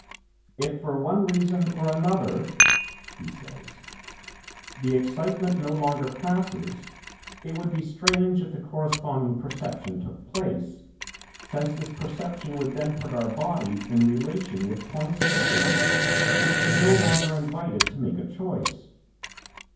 "If, for one reason or another," he says, "the excitement no longer passes, it would be strange if the corresponding perception took place, since this perception would then put our body in relation with points of space which would no longer invite it to make a choice.